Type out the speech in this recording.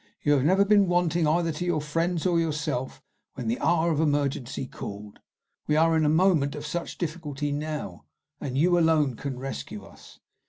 You have never been wanting either to your friends or yourself when the hour of emergency called. We are in a moment of such difficulty now, and you alone can rescue us."